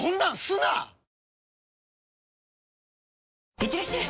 いってらっしゃい！